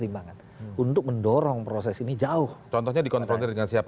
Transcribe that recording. pak novanto pak budi cahyo ya